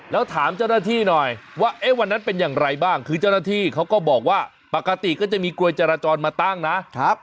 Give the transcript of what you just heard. แล้วถามเจ้าหน้าที่หน่อยว่าวันนั้นเป็นอย่างไรบ้างคือเจ้าหน้าที่เขาก็บอกว่าปกติก็จะมีกลวยจราจรมาตั้งนะครับ